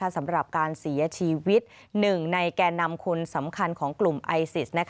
สำหรับการเสียชีวิต๑ในแก่นำคนสำคัญของกลุ่มไอซิส